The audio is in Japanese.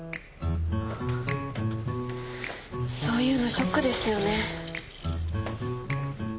そういうのショックですよね。